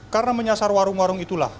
karena menyasar warung warung itulah